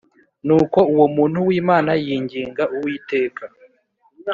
Nuko uwo muntu w’Imana yinginga Uwiteka